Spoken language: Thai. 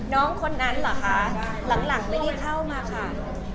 น้องคนนั้นเหรอคะหลังไม่ได้เข้ามาค่ะ